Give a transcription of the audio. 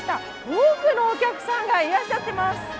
多くのお客さんがいらっしゃっています。